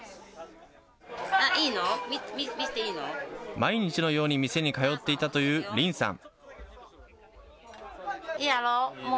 毎日のように店に通っていたという凛さん。